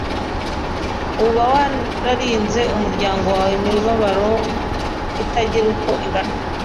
uba wararinze umuryango wawe imibabaro itagira uko ingana.